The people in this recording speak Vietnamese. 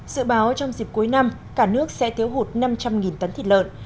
dự báo trong dịp cuối năm cả nước sẽ thiếu hụt năm trăm linh tấn thịt lợn